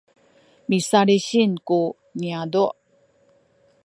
misalisin ku niyazu’